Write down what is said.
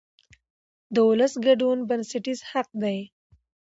د ولس ګډون بنسټیز حق دی